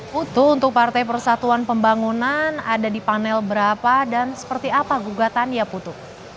putu untuk partai persatuan pembangunan ada di panel berapa dan seperti apa gugatannya putu